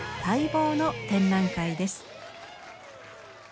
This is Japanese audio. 待望の展覧会です。